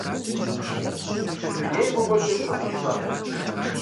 Си дуней мыгъуэр кӀыфӀ къысщищӀащ…